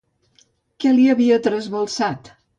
Què li havia trasbalsat?